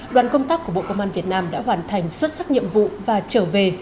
đoàn công tác của bộ công an việt nam đã hoàn thành xuất sắc nhiệm vụ và trở về